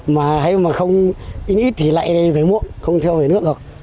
mà hay mà không ít thì lại về muộn không theo về nước được